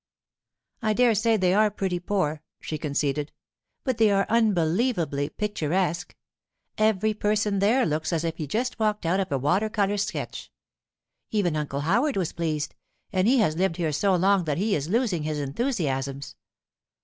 'I dare say they are pretty poor,' she conceded; 'but they are unbelievably picturesque! Every person there looks as if he had just walked out of a water colour sketch. Even Uncle Howard was pleased, and he has lived here so long that he is losing his enthusiasms.